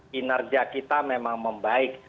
kinerja kita memang membaik